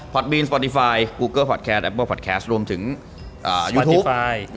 พอดบีนสปอติฟายกูเกิ้ลแอปเปิ้ลพอดแคสต์รวมถึงยูทูป